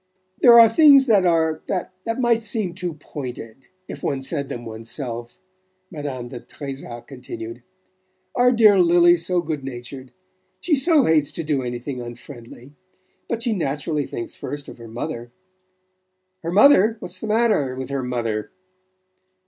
"There are things that are...that might seem too pointed...if one said them one's self," Madame de Trezac continued. "Our dear Lili's so good natured... she so hates to do anything unfriendly; but she naturally thinks first of her mother..." "Her mother? What's the matter with her mother?"